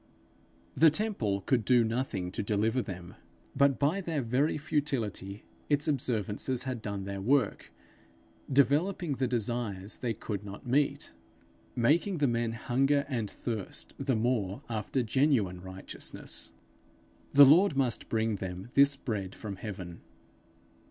The temple could do nothing to deliver them; but, by their very futility, its observances had done their work, developing the desires they could not meet, making the men hunger and thirst the more after genuine righteousness: the Lord must bring them this bread from heaven.